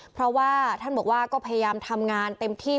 เพราะว่าท่านบอกว่าก็พยายามทำงานเต็มที่